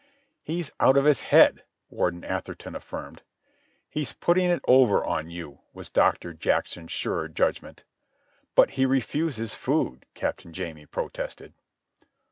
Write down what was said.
"He's out of his head," Warden Atherton affirmed. "He's putting it over on you," was Doctor Jackson's surer judgment. "But he refuses food," Captain Jamie protested.